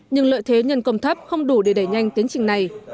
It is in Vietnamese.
nhưng lợi thế nhân công thấp không đủ để đẩy nhanh tiến trình này